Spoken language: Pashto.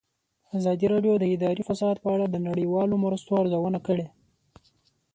ازادي راډیو د اداري فساد په اړه د نړیوالو مرستو ارزونه کړې.